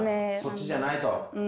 そっちじゃないと。